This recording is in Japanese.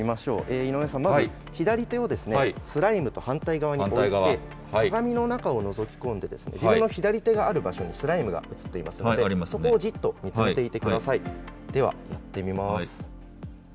井上さん、まず左手をスライムと反対側に置いて、鏡の中をのぞくと、自分の左手がある場所にスライムが映っていますので、そこをじっと見つめていてください。